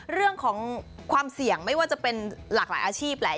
เรื่องของความเสี่ยงไม่ว่าจะเป็นหลากหลายอาชีพแหละ